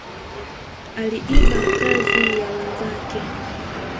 Aliiba kazi ya mwenzake